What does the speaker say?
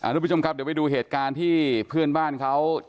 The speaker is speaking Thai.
ทุกผู้ชมครับเดี๋ยวไปดูเหตุการณ์ที่เพื่อนบ้านเขา